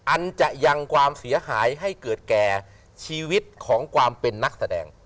อันจะยังความเสียหายให้เกิดแก่ชีวิตของความเป็นนักแสดง